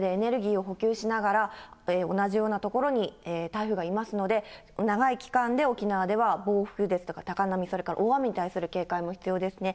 暖かい海の上、同じような所に台風がいますので、長い期間で沖縄では暴風ですとか高波、それから大雨に対する警戒も必要ですね。